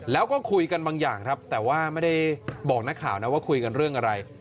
แล้วก็คุยกันบางอย่างครับแต่ว่าไม่ได้บอกนักข่าวนะว่าคุยกันเรื่องอะไร